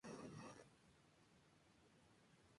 Es un manjar muy demandado y de alto valor.